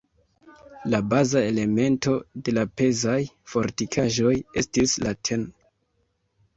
La baza elemento de la pezaj fortikaĵoj estis la tn.